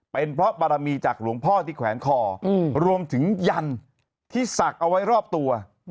เป็นเพราะบารมีจากหลวงพ่อที่แขวนคอรวมถึงยันที่ศักดิ์เอาไว้รอบตัว